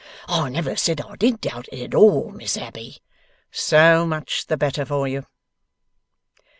'I never said I did doubt it at all, Miss Abbey.' 'So much the better for you.